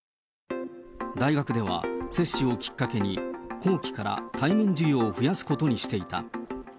大学では、接種をきっかけに後期から対面授業を増やすことにしていた。